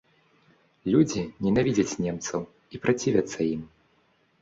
Людзі ненавідзяць немцаў і працівяцца ім.